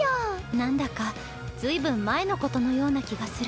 なんだか随分前のことのような気がする。